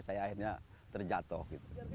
saya akhirnya terjatuh gitu